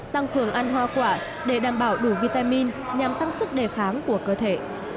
tăng cường ăn hoa quả để đảm bảo đủ vitamin nhằm tăng sức đề kháng của cơ thể